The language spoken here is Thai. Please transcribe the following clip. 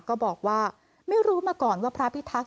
ก็บอกว่าไม่รู้มาก่อนว่าพระพิทักษ